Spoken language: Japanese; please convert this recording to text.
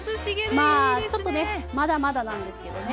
まあちょっとねまだまだなんですけどね。